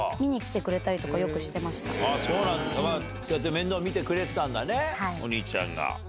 面倒見てくれてたんだねお兄ちゃんが。